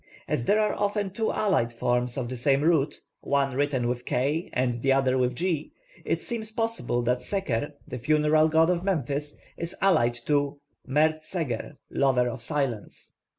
As there are often two allied forms of the same root, one written with k and the other with g, it seems probable that Seker, the funeral god of Memphis, is allied to +Mert Seger+ (lover of silence).